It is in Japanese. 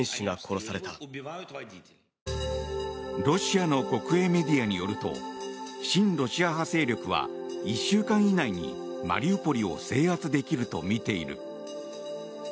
ロシアの国営メディアによると親ロシア派勢力は１週間以内にマリウポリを制圧できるとみている。